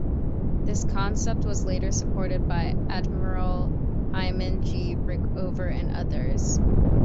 This concept was later supported by Admiral Hyman G. Rickover and others.